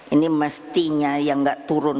ini mestinya yang nggak turun